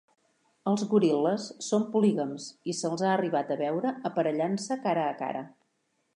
Els goril·les són polígams, i se'ls ha arribat a veure aparellant-se cara a cara.